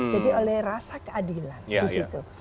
jadi oleh rasa keadilan di situ